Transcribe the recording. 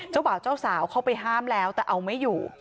บ่าวเจ้าสาวเข้าไปห้ามแล้วแต่เอาไม่อยู่